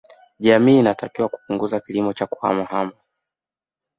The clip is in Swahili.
Jamii inatakiwa kupunguza kilimo cha kuhamahama